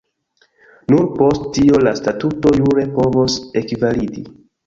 Nur post tio la statuto jure povos ekvalidi.